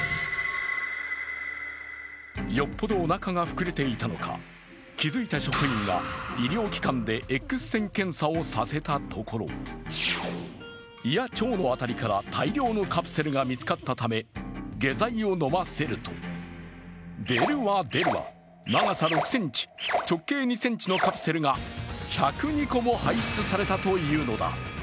よっぽどおなかが膨れていたのか、気づいた職員が医療機関でＸ線検査をさせたところ胃や腸の辺りから大量のカプセルが見つかったため下剤を飲ませると出るわ出るわ、長さ６ｃｍ、直径２ｃｍのカプセルが１０２個も排出されたというのだ。